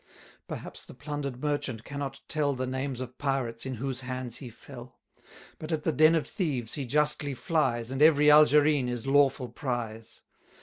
Perhaps the plunder'd merchant cannot tell The names of pirates in whose hands he fell; But at the den of thieves he justly flies, And every Algerine is lawful prize.